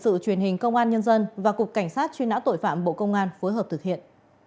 sự truyền hình công an nhân dân và cục cảnh sát truy nã tội phạm bộ công an phối hợp thực hiện